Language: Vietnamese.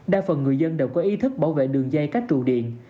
đa phần người dân đều có ý thức bảo vệ đường dây các trụ điện